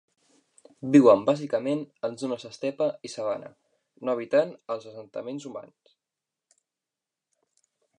Viuen bàsicament en zones d'estepa i sabana, no evitant els assentaments humans.